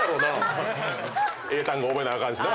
英単語覚えなあかんしな。